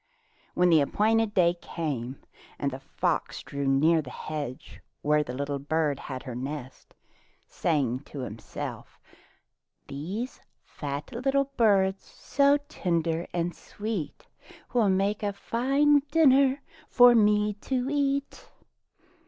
When the appointed day came the fox drew near the hedge where the little bird had her nest, saying to himself, "These fat little birds, so tender and sweet. Will make a fine dinner for me to eat."